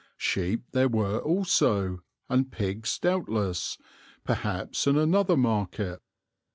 Sheep there were also, and pigs doubtless, perhaps in another market.